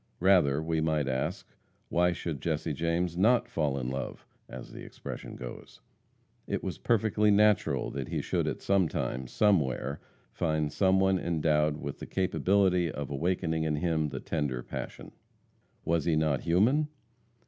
Rather, we might ask, why should Jesse James not "fall in love," as the expression goes? It was perfectly natural that he should at some time, somewhere, find some one endowed with the capability of awakening in him the tender passion. Was he not human?